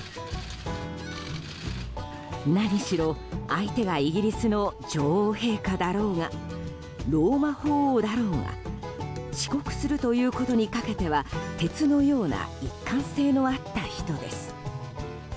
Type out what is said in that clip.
何しろ、相手がイギリスの女王陛下だろうがローマ法王だろうが遅刻するということにかけては鉄のような一貫性のあった人です。